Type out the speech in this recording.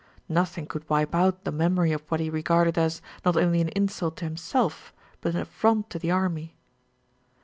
Nothing could wipe out the memory of what he regarded as, not only an insult to himself, but an affront to the army.